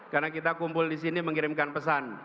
karena kita kumpul disini mengirimkan pesan